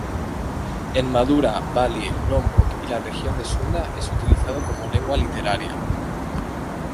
En Madura, Bali, Lombok y la región de Sunda es utilizado como lengua literaria.